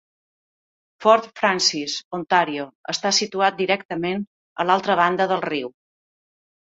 Fort Frances, Ontario, està situat directament a l'altra banda del riu.